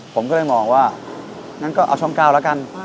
ผมก็เลยมองว่างั้นก็เอาช่อง๙แล้วกัน